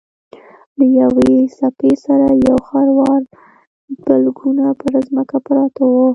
له یوې څپې سره یو خروار بلګونه پر ځمکه پراته وو.